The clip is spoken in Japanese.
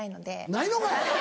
ないのかい！